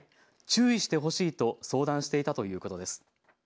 注意してほしいと相談していたということです。